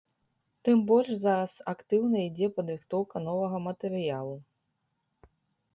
Тым больш зараз актыўна ідзе падрыхтоўка новага матэрыялу.